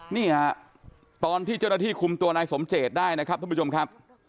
นี่ฮะตอนที่เจ้าหน้าที่คุมตัวนายสมเจตได้นะครับท่านผู้ชมครับ